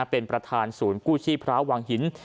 เป็นประธานศูนย์กู้ชีพพระวังหิน